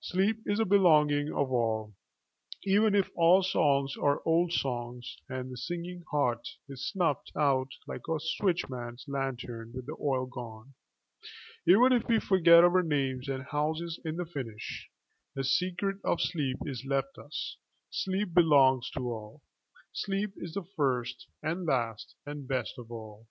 Sleep is a belonging of all; even if all songs are old songs and the singing heart is snuffed out like a switchman's lantern with the oil gone, even if we forget our names and houses in the finish, the secret of sleep is left us, sleep belongs to all, sleep is the first and last and best of all.